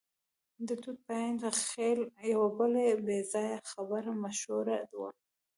د ټوټ پاینده خېل یوه بله بې ځایه خبره مشهوره وه.